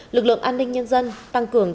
lực lượng an ninh nhân dân tăng cường